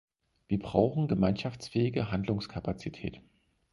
Wir brauchen gemeinschaftsfähige Handlungskapazität.